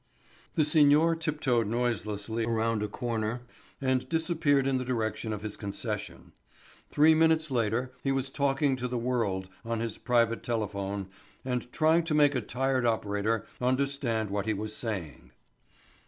The Signor tip toed noiselessly around a corner and disappeared in the direction of his concession. Three minutes later he was talking to the World on his private telephone and trying to make a tired operator understand what he was saying.